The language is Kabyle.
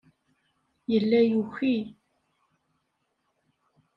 Yella yuki.